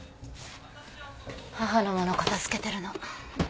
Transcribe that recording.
母の物片付けてるの。